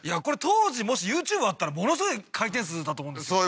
これ当時もしＹｏｕＴｕｂｅあったらものすごい回転数だと思うんです